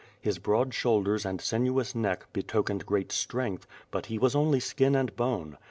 His broad shoulders and sinuous neck betokened great strength, but he was only skin and bone.